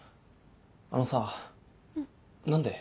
あのさ何で？